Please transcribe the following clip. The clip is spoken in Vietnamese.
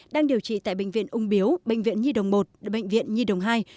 đang điều trị tại bệnh viện úng biếu bệnh viện nhi đồng i bệnh viện nhi đồng ii